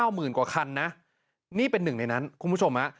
หมื่นกว่าคันนะนี่เป็นหนึ่งในนั้นคุณผู้ชมฮะ